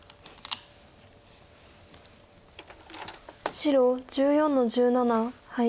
白１４の十七ハイ。